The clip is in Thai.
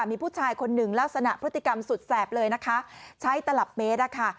มีผู้ชายคนหนึ่งลักษณะพฤติกรรมสุดแสบเลยนะคะใช้ตลับเมตรอะค่ะ